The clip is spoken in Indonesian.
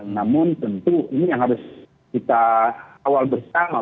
namun tentu ini harus kita awal bersama